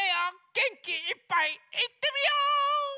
げんきいっぱいいってみよ！